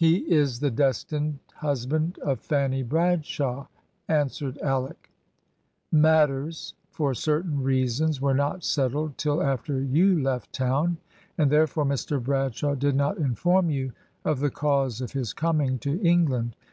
"He is the destined husband of Fanny Bradshaw," answered Alick. "Matters, for certain reasons, were not settled till after you left town, and therefore Mr Bradshaw did not inform you of the cause of his coming to England.